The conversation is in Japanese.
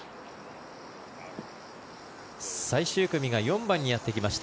最終組が４番にやってきました。